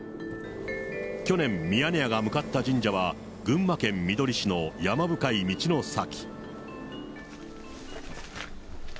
去年、ミヤネ屋が向かった神社は、群馬県みどり市の山深い道の先。